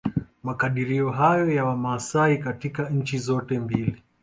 Makadirio hayo ya Wamasai katika nchi zote mbili